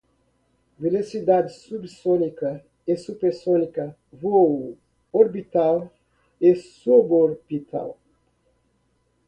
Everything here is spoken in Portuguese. velocidade subsônica e supersônica, voo orbital e suborbital